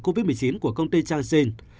covid một mươi chín của công ty changxin